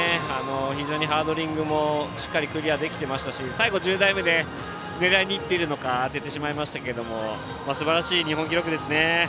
非常にハードリングもしっかりクリアできてましたし最後の１０台目で狙いにいっているのか当ててしまいましたがすばらしい日本記録ですね。